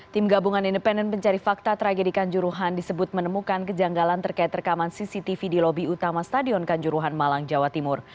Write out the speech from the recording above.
tim gabungan independen pencari fakta tragedikan juruhan disebut menemukan kejanggalan terkait rekaman cctv di lobi utama stadion kanjuruhan malang jawa timur